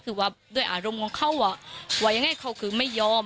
คือว่าด้วยอารมณ์ของเขาว่ายังไงเขาคือไม่ยอม